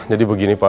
jadi begini pak